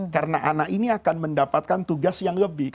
karena anak ini akan mendapatkan tugas yang lebih